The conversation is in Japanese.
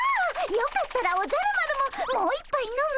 よかったらおじゃる丸ももう一杯飲むかい？